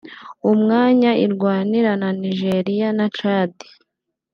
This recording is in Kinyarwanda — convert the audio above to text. umwanya irwanira na Nigeria na Tchad